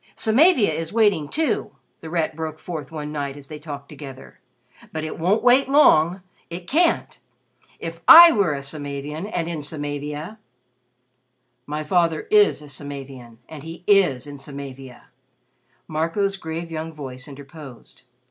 "Samavia is 'waiting' too," The Rat broke forth one night as they talked together, "but it won't wait long it can't. If I were a Samavian and in Samavia " "My father is a Samavian and he is in Samavia," Marco's grave young voice interposed.